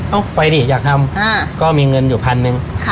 เอาไปดิอยากทำก็มีเงินอยู่พันหนึ่ง